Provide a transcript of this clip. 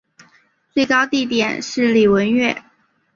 最高地点是礼文岳。